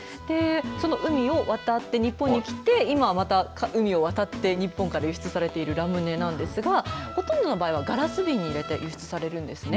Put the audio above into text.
その海を渡って日本に来て、今また海を渡って日本から輸出されているラムネなんですがほとんどの場合はガラス瓶に入れて輸出されるんですね。